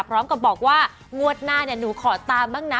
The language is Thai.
พร้อมกับบอกว่างวดหน้าเนี่ยหนูขอตามบ้างนะ